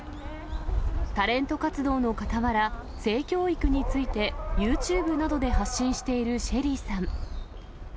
タレント活動のかたわら、性教育について、ユーチューブなどで発信しているＳＨＥＬＬＹさん。